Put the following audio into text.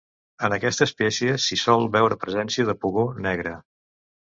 En aquesta espècie s'hi sol veure presència de pugó negre.